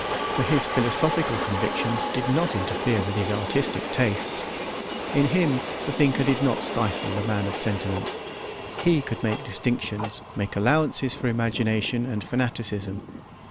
For his philosophical convictions did not interfere with his artistic tastes; in him the thinker did not stifle the man of sentiment; he could make distinctions, make allowances for imagination and fanaticism.